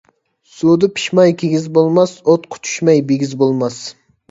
سۇدا پىىشماي كىگىز بولماس، ئوتقا چۈشمەي بىگىز بولماس.